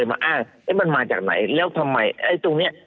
แล้วมันมาจากไหนแล้วทำไม